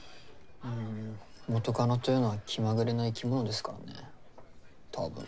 んん元カノというのは気まぐれな生き物ですからねたぶん。